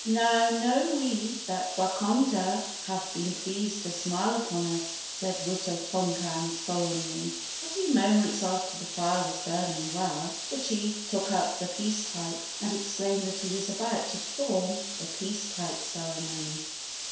"Now know we that Wakonda hath been pleased to smile upon us," said Wita tonkan, solemnly. A few moments after the fire was burning well, the Chief took up the peace pipe and explained that he was about to perform the peace pipe ceremony.